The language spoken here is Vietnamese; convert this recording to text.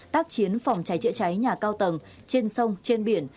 tác chiến phòng cháy chữa cháy nhà cao tầng trên sông trên biển